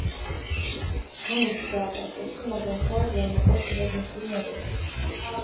განრისხდა აკასტოსი, მაგრამ თავად ვერ მოკლა სტუმრად მოსული მეგობარი.